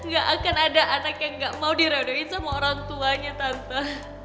gak akan ada anak yang gak mau diredohin sama orang tuanya tante